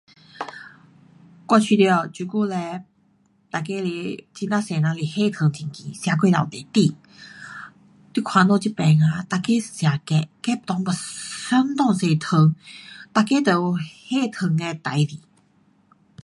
我觉得这久嘞，每个是很多人是血糖很高，吃过头多甜，你看我们这边啊每个吃 cake，cake 内有相当多糖，每个都有血糖的事情。